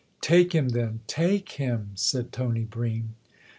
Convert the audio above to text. " Take him then take him !" said Tony Bream.